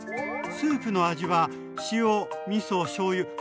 スープの味は塩みそしょうゆ